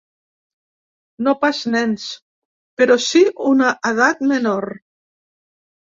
No pas nens, però sí una edat menor.